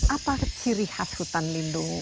apa ciri khas hutan lindung